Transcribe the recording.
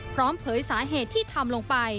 พร้อมเผยสาเหตุที่ทำลงไป